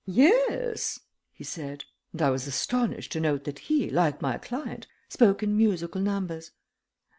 "Yes," he said, and I was astonished to note that he, like my client, spoke in musical numbers.